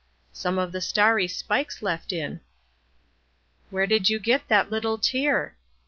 Some of the starry spikes left in. Where did you get that little tear?